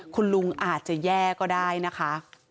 คุณลุงอาจจะแย่ก็ได้นะคะ